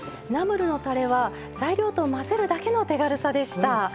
ナムルのたれは材料と混ぜるだけの手軽さでした。